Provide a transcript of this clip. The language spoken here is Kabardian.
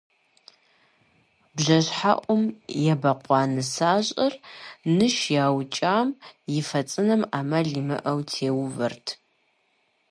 БжэщхьэӀум ебэкъуа нысащӀэр ныш яукӀам и фэ цӀынэм Ӏэмал имыӀэу теувэрт.